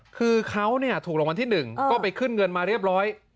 คือเขาถูกรางวัลที่๑ก็ไปขึ้นเงินมาเรียบร้อย